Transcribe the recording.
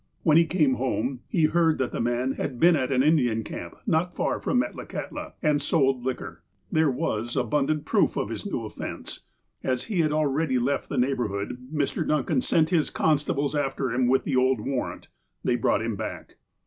When he came home, he heard that the man had been at an Indian camp, not far from Metlakahtla, and sold liquor. There was abundant proof of this new offence. As he had already left the neighbourhood, Mr. Duncan sent his constables after him with the old warrant. They brought him back.